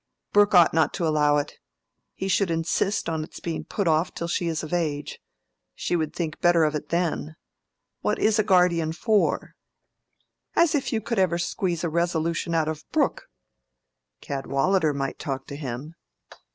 "Brooke ought not to allow it: he should insist on its being put off till she is of age. She would think better of it then. What is a guardian for?" "As if you could ever squeeze a resolution out of Brooke!" "Cadwallader might talk to him."